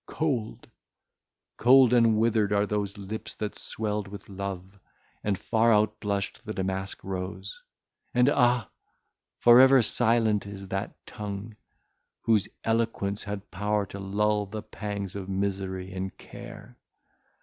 cold! cold and withered are those lips that swelled with love, and far outblushed the damask rose! and ah! forever silenced is that tongue, whose eloquence had power to lull the pangs of misery and care!